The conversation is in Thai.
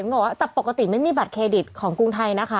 เขาหักจากบัญชีทุกเกือบอยู่แล้วนะคะ